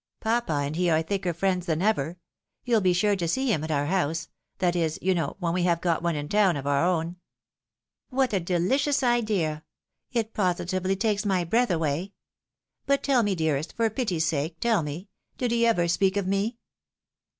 Papa and he are tliicker friends than ever. You'll be sure to see him at our house — that is, you know, when we have got one in town, of our own." " "What a delicious idea ! It positively takes my breath away. But tell me, dearest, for pity's sake, tell me, did he ever speak of me